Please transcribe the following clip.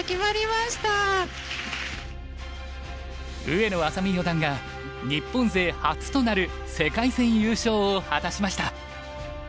上野愛咲美四段が日本勢初となる世界戦優勝を果たしました。